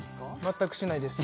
全くしないです